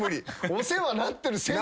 お世話になってる先輩。